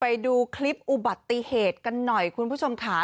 ไปดูคลิปอุบัติเหตุกันหน่อยคุณผู้ชมค่ะ